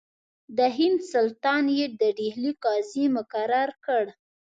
د هند سلطان یې د ډهلي قاضي مقرر کړ.